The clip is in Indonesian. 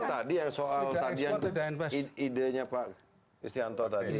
tadi yang soal tadi yang idenya pak istianto tadi